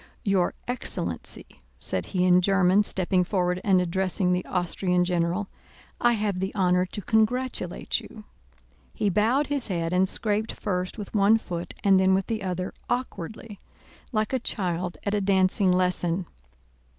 "Your excellency," said he in German, stepping forward and addressing the Austrian general, "I have the honor to congratulate you." He bowed his head and scraped first with one foot and then with the other, awkwardly, like a child at a dancing lesson.